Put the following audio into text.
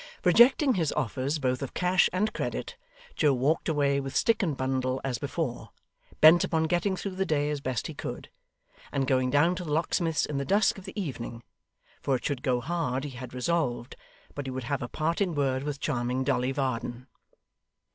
Rejecting his offers both of cash and credit, Joe walked away with stick and bundle as before, bent upon getting through the day as he best could, and going down to the locksmith's in the dusk of the evening; for it should go hard, he had resolved, but he would have a parting word with charming Dolly Varden.